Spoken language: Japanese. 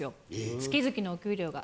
月々のお給料が。